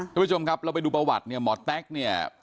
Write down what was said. ทุกผู้ชมครับเราไปดูประวัติเนี่ยหมอแต๊กเนี่ย